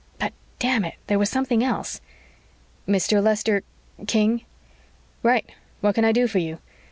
_ But, damn it, there was something else. "Mr. Lester King?" "Right. What can I do for you?"